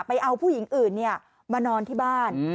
ไปเอาผู้หญิงอื่นมานอนที่บ้าน